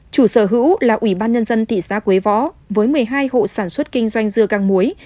chủ sở hữu là ủy ban nhân dân thị xã quế võ với một mươi hai hộ sản xuất kinh doanh dưa cang muối